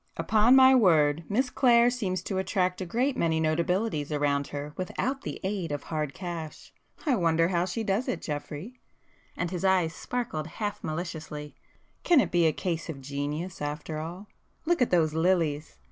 Upon my word, Miss Clare seems to attract a great many notabilities around her without the aid of hard cash. I [p 225] wonder how she does it, Geoffrey?"—and his eyes sparkled half maliciously—"Can it be a case of genius after all? Look at those lilies!"